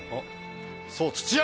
そう土屋！